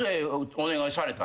お願いされたんで。